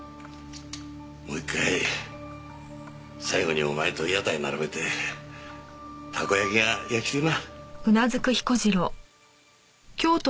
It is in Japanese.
もう１回最後にお前と屋台並べてたこ焼きが焼きてえな。